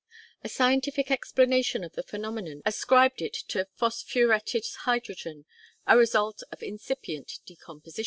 A scientific explanation of the phenomenon ascribed it to phosphuretted hydrogen, a result of incipient decomposition.